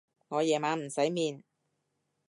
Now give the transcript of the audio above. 我夜晚唔使面